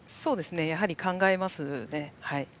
やはり考えますね。